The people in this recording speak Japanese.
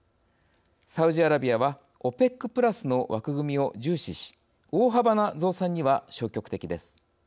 サウジアラビアは「ＯＰＥＣプラス」の枠組みを重視し大幅な増産には消極的です。